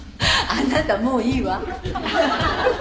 「あなたもういいわ」